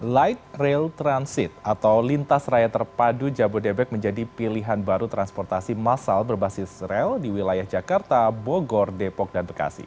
light rail transit atau lintas raya terpadu jabodebek menjadi pilihan baru transportasi masal berbasis rel di wilayah jakarta bogor depok dan bekasi